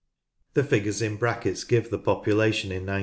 (The figures in brackets give the population in 1901.